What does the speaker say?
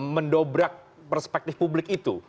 mendobrak perspektif publik itu